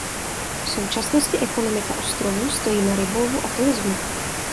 V současnosti ekonomika ostrovů stojí na rybolovu a turismu.